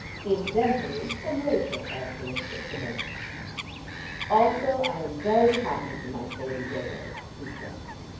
Incidentally, some racial characteristics emerged. "Also I am very happy to night, Lady Dodo," he said.